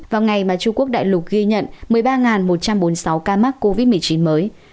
vào ngày mà trung quốc đại lục ghi nhận một mươi ba một trăm bốn mươi sáu ca mắc covid một mươi chín mới